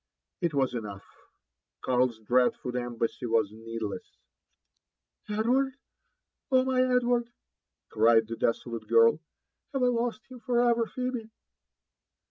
It was enough, — Karl's dreadful embassy was needless;—^ '* Edward 1 oh, my Edward !" cried the desolate girl, " have I lost him for ever, Phebe